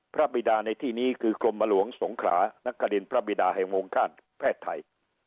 พระบิดาในที่นี้คือกลมหลวงสงขรานักกระดินพระบิดาแห่งวงฆาตแพทย